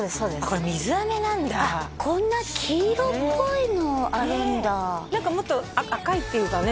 これ水あめなんだこんな黄色っぽいのあるんだ何かもっと赤いっていうかね